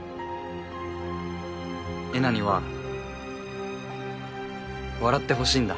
えなには笑ってほしいんだ。